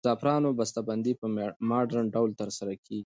د زعفرانو بسته بندي په مډرن ډول ترسره کیږي.